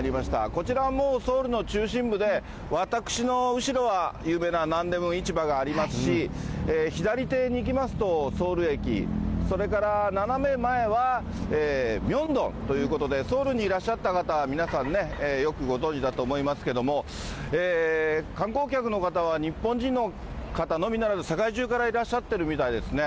こちらもう、ソウルの中心部で、私の後ろは、有名なナンデムン市場がありますし、左手に行きますと、ソウル駅、それから斜め前はミョンドンということで、ソウルにいらっしゃった方は、皆さんね、よくご存じだと思いますけれども、観光客の方は、日本人の方のみならず、世界中からいらっしゃってるみたいですね。